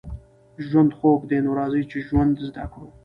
ژوند خوږ دی نو راځئ چې ژوند زده کړو